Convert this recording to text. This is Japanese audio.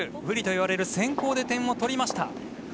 不利といわれる先攻で点を取りました。